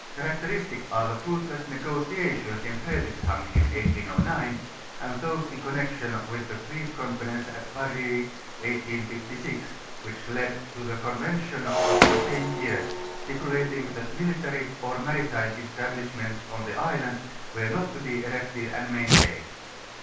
Characteristic are the fruitless negotiations in Fredrikshamn in 1809 and those in connection with the peace conference at Paris 1856, which led 11 to a convention oIl the same year, stipulating that military, or maritime establishments on the islands were not to be erected and maintained.